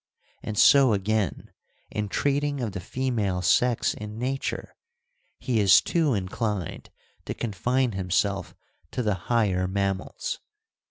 And so again, in treating of the female sex in nature, he is too inclined to confine himself to the higher mammals.